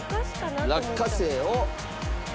落花生を。